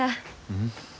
うん？